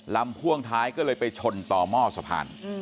ลำพ่วงท้ายก็เลยไปชนต่อเมาสภาษณ์